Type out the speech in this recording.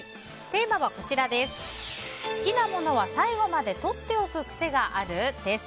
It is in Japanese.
テーマは、好きなものは最後までとっておく癖がある？です。